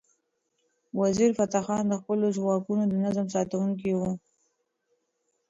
وزیرفتح خان د خپلو ځواکونو د نظم ساتونکی و.